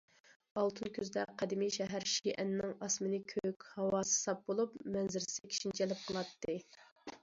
ئالتۇن كۈزدە، قەدىمىي شەھەر شىئەننىڭ ئاسمىنى كۆك، ھاۋاسى ساپ بولۇپ، مەنزىرىسى كىشىنى جەلپ قىلاتتى.